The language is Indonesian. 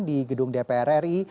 di gedung depok